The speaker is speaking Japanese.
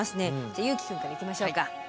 じゃあ優樹くんからいきましょうか。